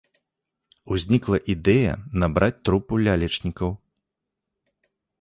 Узнікла ідэя набраць трупу лялечнікаў.